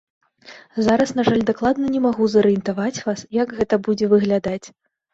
Зараз, на жаль, дакладна не магу зарыентаваць вас, як гэта будзе выглядаць.